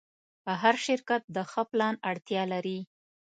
هر شرکت د ښه پلان اړتیا لري.